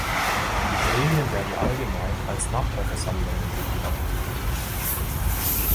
Die Gremien werden allgemein als Nachbarversammlungen definiert.